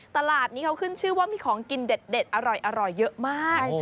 ตลาดนี้เขาขึ้นชื่อว่ามีของกินเด็ดอร่อยเยอะมาก